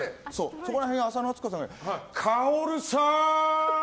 そこら辺に浅野温子さんがいて薫さーん！